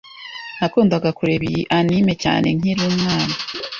Nakundaga kureba iyi anime cyane nkiri umwana,